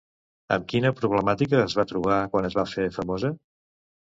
Amb quina problemàtica es va trobar quan es va fer famosa?